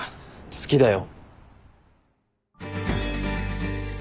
好きだよ。